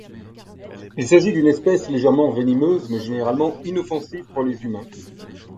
Il s'agit d'une espèce légèrement venimeuse mais généralement inoffensive pour les humains.